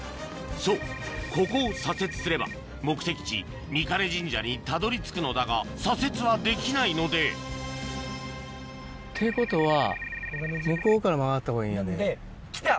そうここを左折すれば目的地御金神社にたどり着くのだが左折はできないのでってことは向こうから曲がったほうがいい。来た！